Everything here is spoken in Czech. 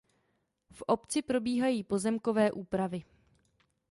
V obci probíhají pozemkové úpravy.